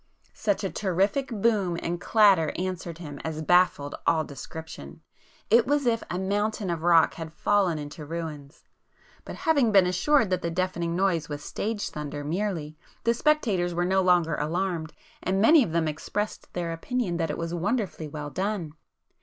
Such a terrific boom and clatter answered him as baffled all description,—it was as if a mountain of rock had fallen into ruins,—but having been assured that the deafening noise was 'stage thunder' merely, the spectators were no longer alarmed, and many of them expressed their opinion that it was 'wonderfully well done.